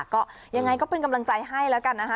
ก็ยังไงก็เป็นกำลังใจให้แล้วกันนะคะ